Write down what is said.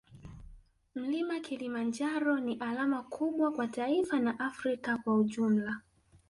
mlima Kilimanjaro ni alama kubwa kwa taifa na afrika kwa ujumla